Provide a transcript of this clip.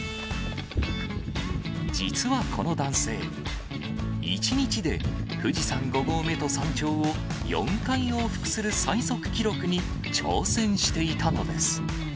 実はこの男性、１日で富士山５合目と山頂を４回往復する最速記録に挑戦していたのです。